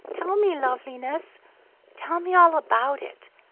Tell me, Love li ness ! Tell me all about it.